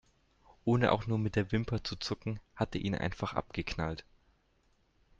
Ohne auch nur mit der Wimper zu zucken, hat er ihn einfach abgeknallt.